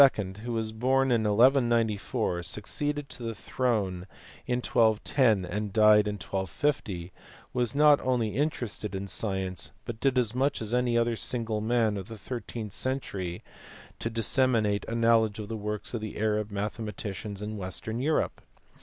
who was born in 1194, succeeded to the throne in 1210, and died in 1250, was not only interested in science, but did as much as any other single man of the thirteenth century to disseminate a know ledge of the works of the Arab mathematicians in western Europe.